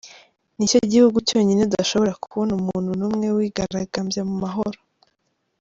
Nicyo gihugu cyonyine udashobora kubona umuntu n’umwe wigaragambya mu mahoro